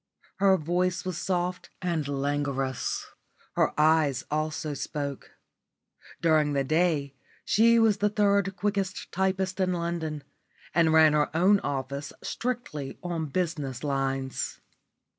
Her voice was soft and languorous; her eyes also spoke. During the day she was the third quickest typist in London, and ran her own office strictly on business lines.